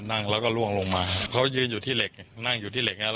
นั่งแล้วก็ล่วงลงมาเขายืนอยู่ที่เหล็กนั่งอยู่ที่เหล็กนะครับ